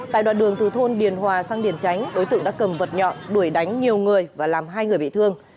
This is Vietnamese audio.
tại đoạn đường từ thôn điền hòa sang điền tránh đối tượng đã cầm vật nhọn đuổi đánh nhiều người và làm hai người bị thương